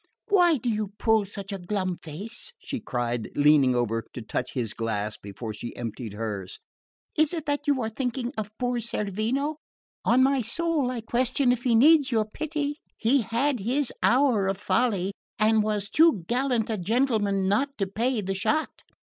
"Why do you pull such a glum face?" she cried, leaning over to touch his glass before she emptied hers. "Is it that you are thinking of poor Cerveno? On my soul, I question if he needs your pity! He had his hour of folly, and was too gallant a gentleman not to pay the shot.